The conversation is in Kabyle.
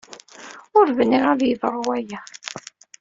Ur bniɣ ad d-yeḍru waya.